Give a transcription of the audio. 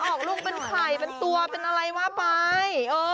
ออกลูกเป็นไข่เป็นตัวเป็นอะไรว่าไป